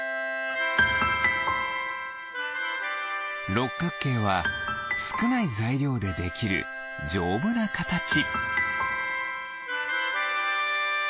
ろっかくけいはすくないざいりょうでできるじょうぶなカタチ。